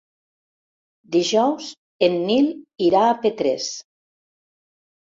Dijous en Nil irà a Petrés.